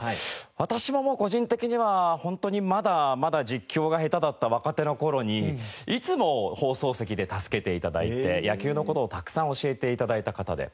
私ももう個人的には本当にまだまだ実況が下手だった若手の頃にいつも放送席で助けて頂いて野球の事をたくさん教えて頂いた方で。